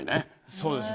そうですね。